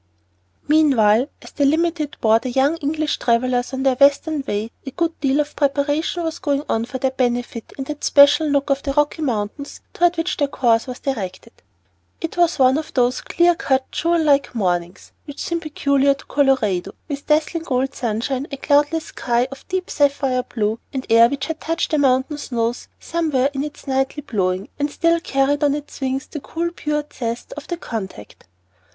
MEANWHILE, as the "Limited" bore the young English travellers on their western way, a good deal of preparation was going on for their benefit in that special nook of the Rocky mountains toward which their course was directed. It was one of those clear cut, jewel like mornings which seem peculiar to Colorado, with dazzling gold sunshine, a cloudless sky of deep sapphire blue, and air which had touched the mountain snows somewhere in its nightly blowing, and still carried on its wings the cool pure zest of the contact.